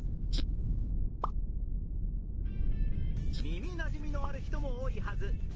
耳なじみのある人も多いはず。